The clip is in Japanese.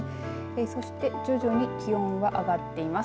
そして徐々に気温が上がっています。